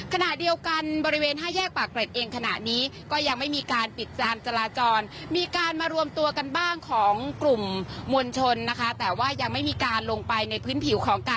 ขณะเดียวกันบริเวณ๕แยกปากเกล็ดเองขณะนี้